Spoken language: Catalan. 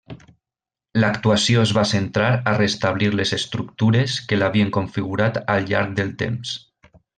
L'actuació es va centrar a restablir les estructures que l'havien configurat al llarg del temps.